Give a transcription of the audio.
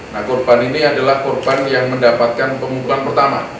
nah korban ini adalah korban yang mendapatkan pengumuman pertama